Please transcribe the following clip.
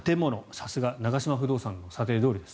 さすが長嶋不動産の査定どおりです。